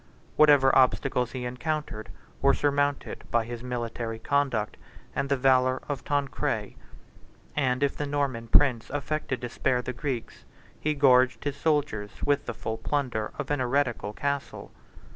Whatever obstacles he encountered were surmounted by his military conduct and the valor of Tancred; and if the Norman prince affected to spare the Greeks, he gorged his soldiers with the full plunder of an heretical castle.